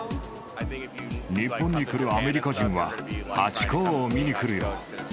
日本に来るアメリカ人はハチ公を見に来るよ。